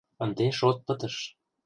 — Ынде шот пытыш...